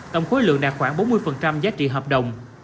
tổng khối lượng đạt khoảng bốn mươi giá trị hợp đồng